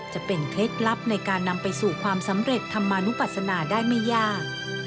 เคล็ดลับในการนำไปสู่ความสำเร็จธรรมานุปัศนาได้ไม่ยาก